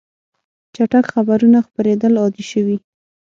چټک خبرونه خپرېدل عادي شوي.